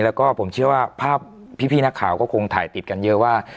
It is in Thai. แล้วก็ผมเชื่อว่าภาพพี่นักข่าวก็คงถ่ายติดกันเยอะว่า